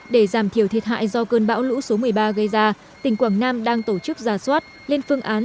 để giảm thiểu thiệt hại do cơn bão lũ số một mươi ba gây ra tỉnh quảng nam đang tổ chức giả soát lên phương án